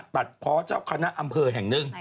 ตัดเพาะเจ้าคณะอำเภอแห่งหนึ่ง